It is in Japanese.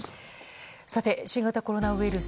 新型コロナウイルス